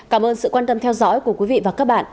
cảm ơn sự quan tâm theo dõi của quý vị và các bạn